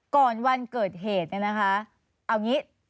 ก่อนวันเกิดเหตุเนี่ยนะคะเอางี้